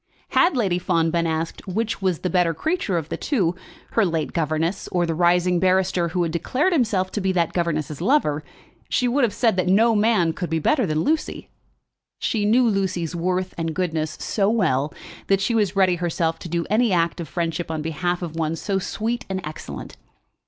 Had Lady Fawn been asked which was the better creature of the two, her late governess or the rising barrister who had declared himself to be that governess's lover, she would have said that no man could be better than Lucy. She knew Lucy's worth and goodness so well that she was ready herself to do any act of friendship on behalf of one so sweet and excellent.